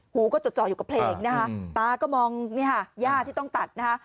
หูก็จดจ่ออยู่กับเพลงนะคะตาก็มองเนี่ยค่ะย่าที่ต้องตัดนะฮะ